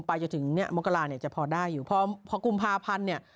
ไปจนถึงเนี่ยมกราเนี่ยจะพอได้อยู่พอพอกุมภาพันธ์เนี่ย